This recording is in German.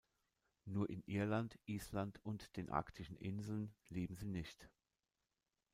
Nur in Irland, Island und den arktischen Inseln leben sie nicht.